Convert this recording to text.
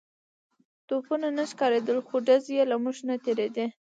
توپونه نه ښکارېدل خو ډزې يې له موږ نه تېرېدې.